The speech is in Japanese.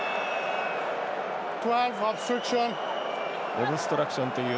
オブストラクションですね。